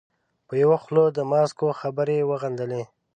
په یوه خوله د ماسکو خبرې وغندلې.